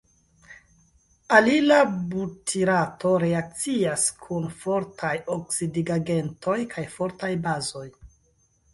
Alila butirato reakcias kun fortaj oksidigagentoj kaj fortaj bazoj.